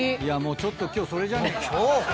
ちょっと今日それじゃねえか。